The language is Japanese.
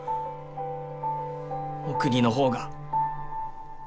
お国の方が。